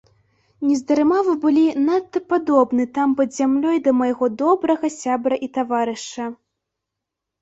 Нездарма вы былі надта падобны там пад зямлёй да майго добрага сябра і таварыша.